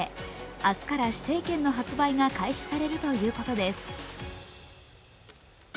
明日から指定券の発売が開始されるということです。